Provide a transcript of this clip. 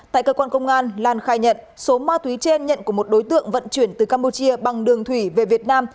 tại cơ quan công an lan khai nhận số ma túy trên nhận của một đối tượng vận chuyển từ campuchia bằng đường thủy về việt nam